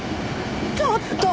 ちょっと！